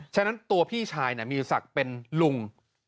ฉะนั้นตัวพี่ชายมีศักดิ์เป็นลุง